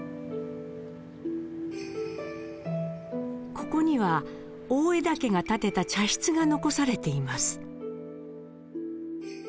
ここには大條家が建てた茶室が残されています。